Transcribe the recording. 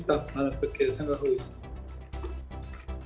saya pikir kita bisa menang dengan baik